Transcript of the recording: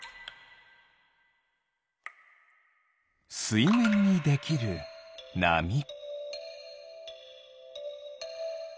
すいめんにできるなみ。